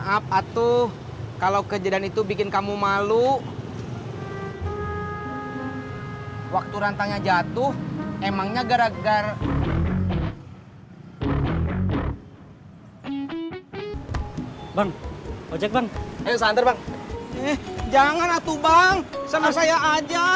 eh jangan lah tuh bang sama saya aja